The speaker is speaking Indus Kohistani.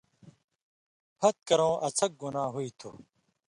پھت کرٶں اڅھَک (گناہ) ہُوئ تھُو۔